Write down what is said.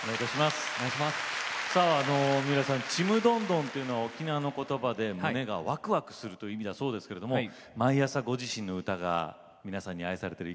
三浦さん「ちむどんどん」というのは沖縄のこどばで胸がワクワクするという意味だそうですが毎朝ご自身の歌が皆さんに愛されてる。